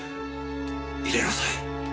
入れなさい。